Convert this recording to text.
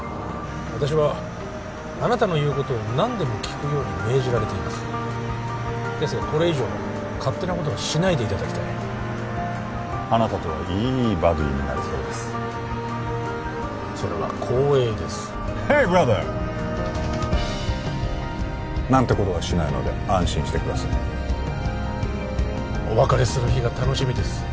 私はあなたの言うことを何でも聞くように命じられていますですがこれ以上勝手なことはしないでいただきたいあなたとはいいバディになれそうですそれは光栄ですヘイブラザー！なんてことはしないので安心してくださいお別れする日が楽しみです